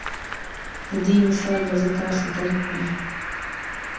د دې مثال به زۀ داسې درکړم